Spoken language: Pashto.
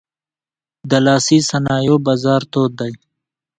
د لاسي صنایعو بازار تود دی.